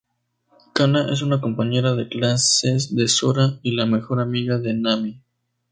Kana es una compañera de clases de Sora y la mejor amiga de Nami.